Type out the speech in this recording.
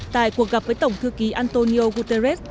tại cuộc gặp với tổng thư ký antonio guterres